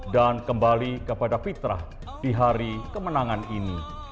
dan kembali kepada fitrah di hari kemenangan ini